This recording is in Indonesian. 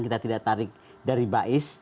kita tidak tarik dari bais